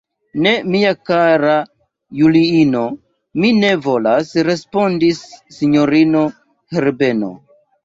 Ne, mia kara Juliino, mi ne volas, respondis sinjorino Herbeno.